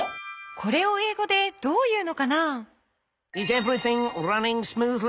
これをえいごでどう言うのかな？